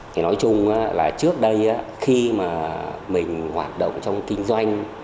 thì nói chung là trước đây khi mà mình hoạt động trong kinh doanh